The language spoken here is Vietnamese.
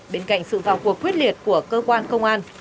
bên cạnh sự vào cuộc quyết liệt của cơ quan công an